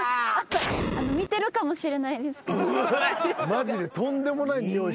マジでとんでもないにおい。